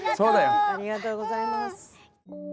ありがとうございます。